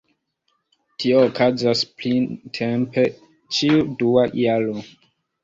Tio okazas printempe ĉiu dua jaro.